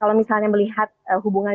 kalau misalnya melihat hubungan